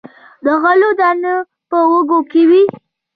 د غلو دانې په وږو کې وي.